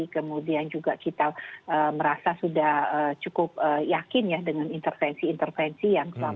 kemudian juga kita merasa sudah cukup yakin ya dengan intervensi intervensi yang selama ini